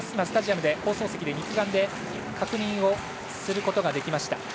スタジアム、放送席で肉眼で確認することができました。